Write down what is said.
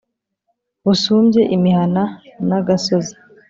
busumbye imihana na gasozi.